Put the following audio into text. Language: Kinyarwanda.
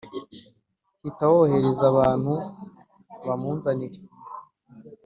Hita wohereza abantu bamunzanire